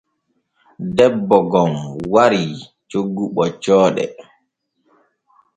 Debbo gom warii coggu ɓoccooɗe.